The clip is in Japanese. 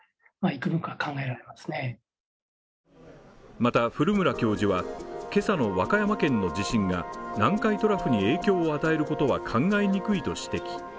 また古村教授は今朝の和歌山県の地震が南海トラフに影響を与えることは考えにくいと指摘。